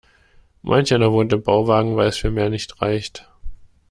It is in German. Manch einer wohnt im Bauwagen, weil es für mehr nicht reicht.